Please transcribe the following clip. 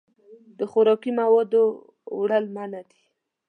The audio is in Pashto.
د خوراکي موادو وړل منع دي.